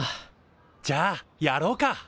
じゃあやろうか。